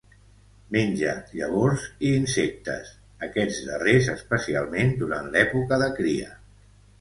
Menja llavors i insectes, aquests darrers especialment durant l'època de cria.